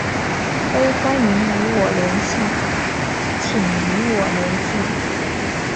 都欢迎与我联系请与我联系